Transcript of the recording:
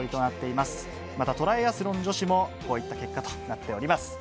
また、トライアスロン女子もこういった結果となっております。